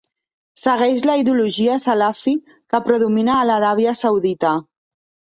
Segueix la ideologia salafi que predomina a l'Aràbia Saudita.